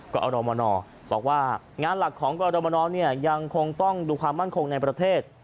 ก็อรมนบอกว่างานหลักของกรมนยังคงต้องดูความมั่นคงในประเทศ